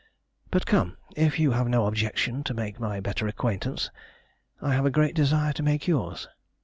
But come, if you have no objection to make my better acquaintance, I have a great desire to make yours.